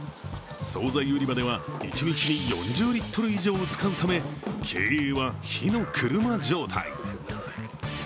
総菜売り場では、一日に４０リットル以上も使うため、経営は火の車状態。